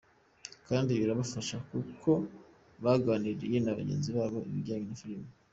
Kandi birabafasha kuko baganirirayo na bagenzi babo ibijyanye na filimi.